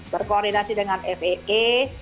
berkoordinasi dengan faa